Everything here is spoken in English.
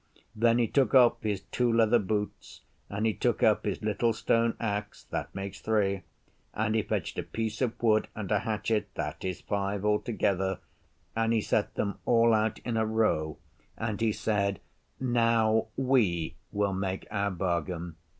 Then he took off his two leather boots and he took up his little stone axe (that makes three) and he fetched a piece of wood and a hatchet (that is five altogether), and he set them out in a row and he said, 'Now we will make our bargain.